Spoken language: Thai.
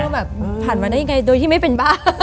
แบบผ่านมาได้ยังไงโดยที่ไม่เป็นบ้า